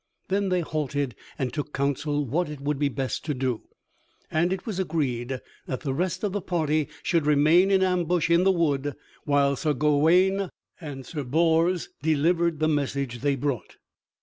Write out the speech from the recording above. Then they halted and took counsel what it would be best to do, and it was agreed that the rest of the party should remain in ambush in the wood while Sir Gawaine and Sir Bors delivered the message they brought.